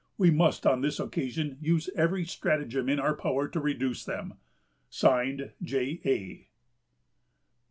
We must on this occasion use every stratagem in our power to reduce them." (Signed) J. A.